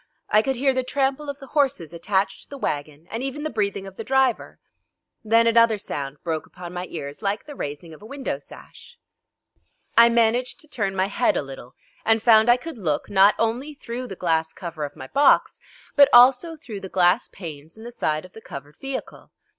I could hear the trample of the horses attached to the wagon, and even the breathing of the driver. Then another sound broke upon my ears like the raising of a window sash. I managed to turn my head a little, and found I could look, not only through the glass cover of my box, but also through the glass panes in the side of the covered vehicle.